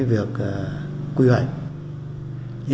việc quy hoạch